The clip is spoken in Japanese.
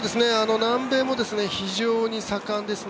南米も非常に盛んですね。